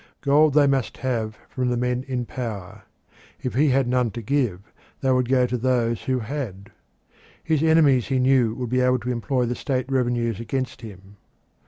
Gold they must have from the men in power; if he had none to give they would go to those who had. His enemies he knew would be able to employ the state revenues against him.